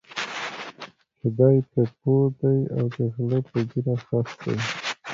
چې دی پرې پوه دی او د غله په ږیره خس دی.